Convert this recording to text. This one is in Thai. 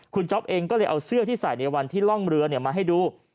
คุณจ๊อปเองก็เลยเอาเสื้อที่ใส่ในวันที่ร่องเรือมาให้ดู